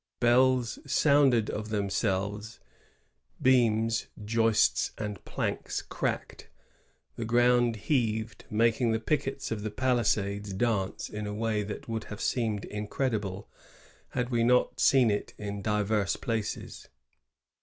Bells sounded of themselves ; beams, joists, and planks cracked ; the ground heaved, making the pickets of the palisades dance in a way that would have seemed incredible had we not seen it in diveis places.